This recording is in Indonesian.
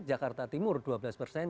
jakarta timur dua belas persen